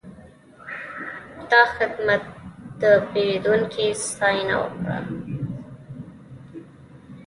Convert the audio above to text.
دا خدمتګر د پیرودونکي ستاینه وکړه.